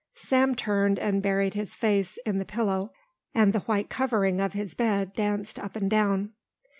Sam turned and buried his face in the pillow and the white covering of his bed danced up and down.